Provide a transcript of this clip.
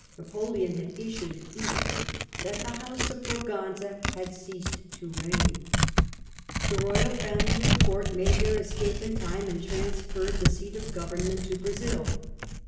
Napoleon had issued an edict that the *' House of Braganza had ceased to reign ". The Royal Family and Court made their escape in time, and transferred the seat of Government to Brazil.